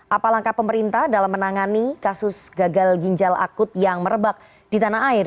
apa langkah pemerintah dalam menangani kasus gagal ginjal akut yang merebak di tanah air